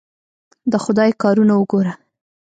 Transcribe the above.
د خدای کارونه وګوره!